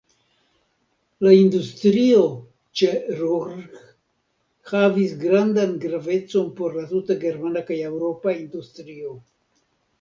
La industrio ĉe Ruhr havis grandan gravecon por la tuta germana kaj eŭropa industrio.